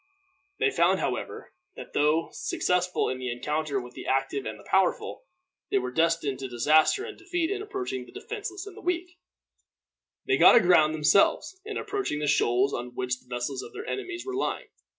They found, however, that, though successful in the encounter with the active and the powerful, they were destined to disaster and defeat in approaching the defenseless and weak. They got aground themselves in approaching the shoals on which the vessels of their enemies were lying.